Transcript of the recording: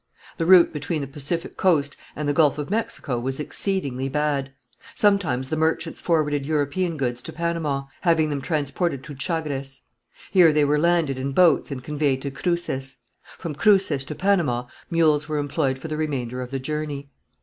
The route between the Pacific coast and the Gulf of Mexico was exceedingly bad. Sometimes the merchants forwarded European goods to Panama, having them transported to Chagres. Here they were landed in boats and conveyed to Cruces. From Cruces to Panama mules were employed for the remainder of the journey.